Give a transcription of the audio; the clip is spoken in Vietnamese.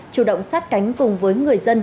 chủ động sát cánh cùng với người dân